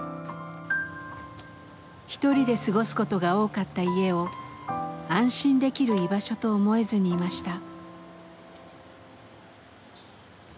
一人で過ごすことが多かった家を安心できる「居場所」と思えずにいました。